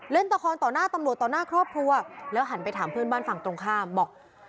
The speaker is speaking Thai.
ตะคอนต่อหน้าตำรวจต่อหน้าครอบครัวแล้วหันไปถามเพื่อนบ้านฝั่งตรงข้ามบอก